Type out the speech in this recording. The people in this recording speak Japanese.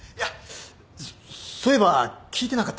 そそういえば聞いてなかったなって。